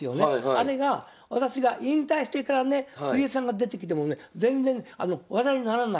あれが私が引退してからね藤井さんが出てきてもね全然話題にならない。